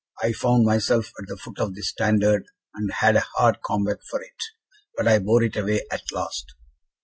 I found myself at the foot of this standard, and had a hard combat for it; but I bore it away at last."